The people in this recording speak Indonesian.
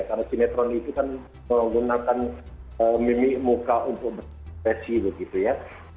karena sinetron itu kan menggunakan mimik muka untuk berkesi begitu ya